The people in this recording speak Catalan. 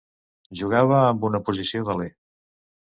Jugava en una posició d'aler.